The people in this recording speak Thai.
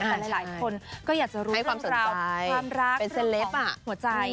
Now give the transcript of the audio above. อ่าใช่หลายหลายคนก็อยากจะรู้ความสนใจความรักเป็นเซลล์ฟอ่ะหัวใจ